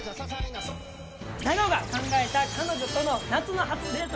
長尾が考えた彼女との夏の初デート